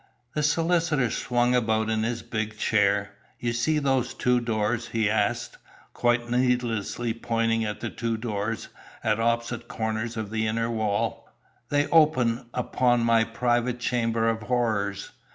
The solicitor swung about in his big chair. "You see those two doors?" he asked, quite needlessly pointing at the two doors, at opposite corners of the inner wall, "They open upon my private chamber of horrors.